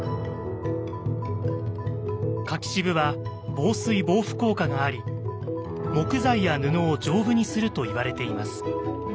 柿渋は防水・防腐効果があり木材や布を丈夫にすると言われています。